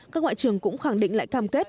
các ngoại trưởng cũng khẳng định lại cam kết